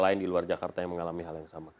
lain di luar jakarta yang mengalami hal yang sama